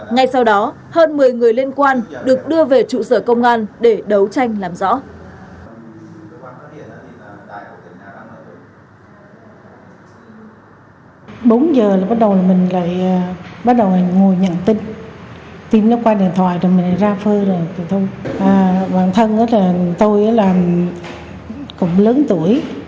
ngay sau đó hơn một mươi người liên quan được đưa về trụ sở công an để đấu tranh làm rõ